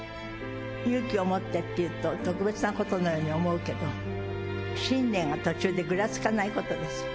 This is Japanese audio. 勇気を持ってっていうと特別なことのように思うけど、信念が途中でぐらつかないことです。